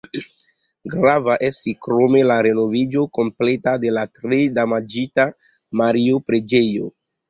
Grava estis krome la renoviĝo kompleta de la tre damaĝita Mario-preĝejo.